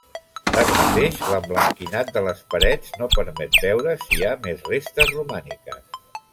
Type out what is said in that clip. Tanmateix, l'emblanquinat de les parets no permet veure si hi ha més restes romàniques.